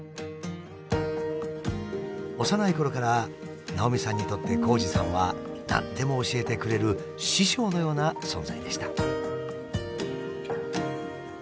幼いころから直見さんにとって紘二さんは何でも教えてくれる師匠のような存在でした。